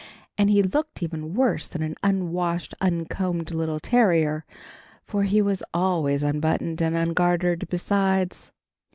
And he looked even worse than an unwashed, uncombed little terrier, for he was always unbuttoned and ungartered besides.